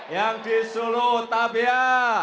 yang di sulu tavia